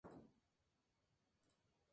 El padre sobrevivió a todos sus hijos.